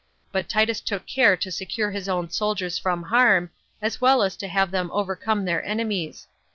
But Titus took care to secure his own soldiers from harm, as well as to have them overcome their enemies.